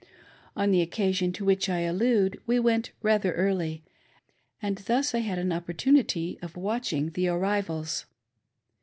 On the occasion to which I allude we went rather early, and thus I had an opportunity of watching the "arrivals.